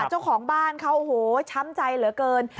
เจ้าของบ้านเขาโอ้โหช้ำใจเหลือเกิน